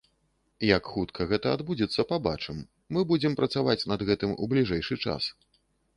Як хутка гэта адбудзецца, пабачым, мы будзем працаваць над гэтым у бліжэйшы час.